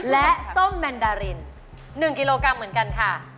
และส้มแมนดาริน๑กิโลกรัมเหมือนกันค่ะ